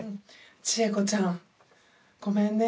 ちえこちゃんごめんね。